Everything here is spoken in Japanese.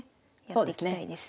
やっていきたいです。